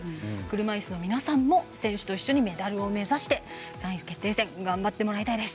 車いすの皆さんも選手と一緒にメダルを目指して３位決定戦頑張ってもらいたいです。